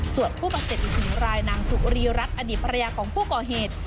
ส่วนผู้บาดเจ็บอีกหนึ่งรายนางสุรีรัฐอดีตภรรยาของผู้ก่อเหตุ